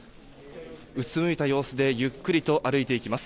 うつむいた様子でゆっくりと歩いてきます。